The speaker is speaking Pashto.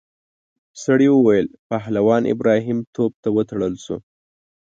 سړي وویل پهلوان ابراهیم توپ ته وتړل شو.